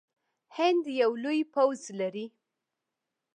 هند یو لوی پوځ لري.